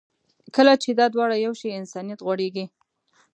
کله چې دا دواړه یو شي، انسانیت غوړېږي.